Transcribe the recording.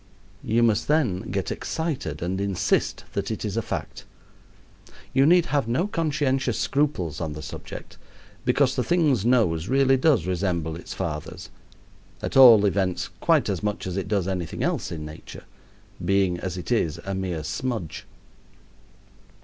You must then get excited and insist that it is a fact. You need have no conscientious scruples on the subject, because the thing's nose really does resemble its father's at all events quite as much as it does anything else in nature being, as it is, a mere smudge.